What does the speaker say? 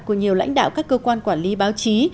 của nhiều lãnh đạo các cơ quan quản lý báo chí